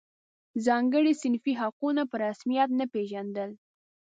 ځانګړي صنفي حقونه په رسمیت نه پېژندل.